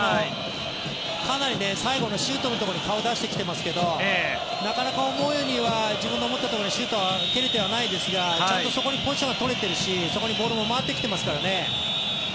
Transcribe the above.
かなり最後のシュートのところに顔を出してきていますけどなかなか思うようには自分の思ったところにシュート、蹴れてはないですがちゃんとそこにポジションが取れてるしそこにボールも回ってきてますからね。